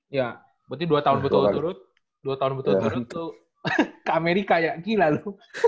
iya berarti dua tahun betul betul lu turut ke amerika ya gila lu